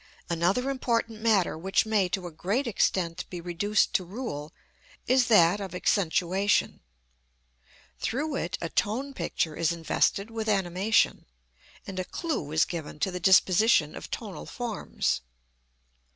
Another important matter which may to a great extent be reduced to rule is that of accentuation. Through it a tone picture is invested with animation, and a clue is given to the disposition of tonal forms.